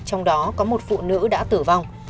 trong đó có một phụ nữ đã tử vong